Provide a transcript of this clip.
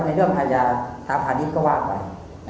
ในเรื่องภายาธรรพาณิชย์ก็วาดไป